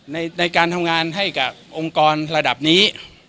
ในการทำงานให้กับองค์กรระดับนี้